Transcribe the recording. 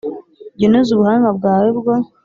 Jya unoza ubuhanga bwawe bwo